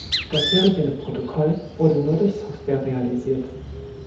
Das serielle Protokoll wurde nur durch Software realisiert.